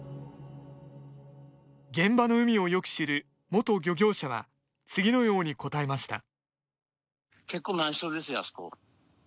現場の海をよく知る、元漁業者は次のように答えました。